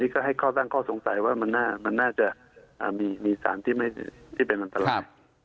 ก็ให้ระห่างสงสัยมันจะมีสารที่เป็นอันตราย